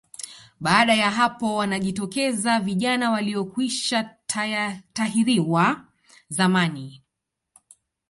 Baada ya hapo wanajitokeza vijana waliokwishatahiriwa zamani